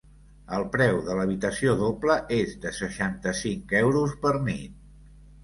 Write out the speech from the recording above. El preu de l'habitació doble és de seixanta-cinc euros per nit.